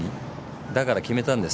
だから決めたんです。